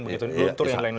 begitu luntur sila sila